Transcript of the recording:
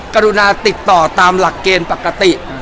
กรุณาติดต่อตามหลักเกณฑ์ปกติ